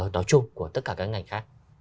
nói chung của tất cả các ngành khác